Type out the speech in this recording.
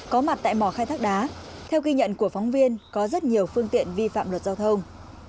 có mặt tại mỏ khai thác đá theo ghi nhận của phóng viên có rất nhiều phương tiện vi phạm luật giao thông